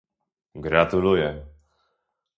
"Gratuluję"